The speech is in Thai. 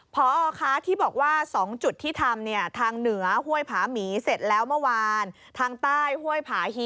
พอคที่บอกว่า๒จุดที่ทำเนี่ย